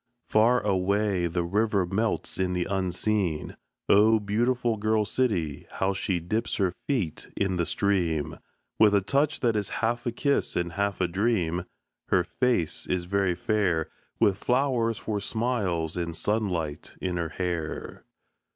Far away The river melts in the unseen. Oh, beautiful Girl City, how she dips Her feet in the stream With a touch that is half a kiss and half a dream! Her face is very fair, With flowers for smiles and sunlight in her hair.